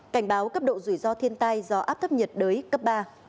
cảnh báo cấp độ rủi ro thiên tai do áp thấp nhiệt đới cấp ba